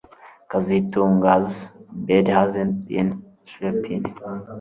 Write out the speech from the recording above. kazitungas bed hasnt been slept in